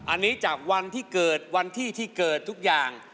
อันนี้จากวันที่เกิดวันที่ที่เกิดทุกอย่าง